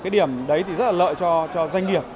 điểm đấy rất lợi cho doanh nghiệp